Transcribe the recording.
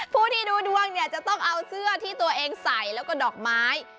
ผู้ที่ดูดวงจะต้องเอาเสื้อที่ตัวเองใส่